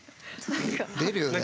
出るよね。